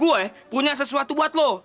gue punya sesuatu buat lo